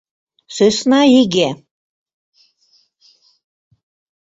Сӧсна иге...